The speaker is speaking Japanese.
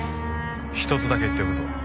一つだけ言っておくぞ。